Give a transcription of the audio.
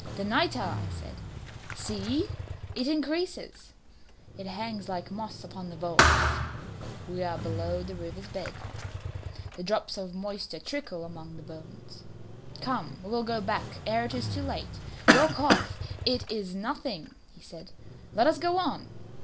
"The nitre!" I said; "see, it increases. It hangs like moss upon the vaults. We are below the river's bed. The drops of moisture trickle among the bones. Come, we will go back ere it is too late. Your cough " "It is nothing," he said; "let us go on.